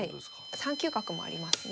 ３九角もありますね。